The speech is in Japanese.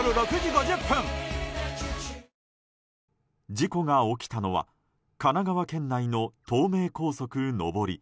事故が起きたのは神奈川県内の東名高速上り。